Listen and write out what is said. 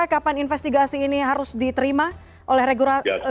kapan investigasi ini harus diterima oleh regulator